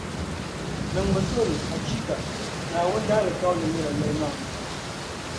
Niŋmi suɣulo, Achiika! Naawuni daalikauli nyɛla yεlimaŋli.